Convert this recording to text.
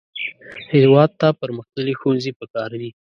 هېواد ته پرمختللي ښوونځي پکار دي